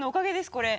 これ。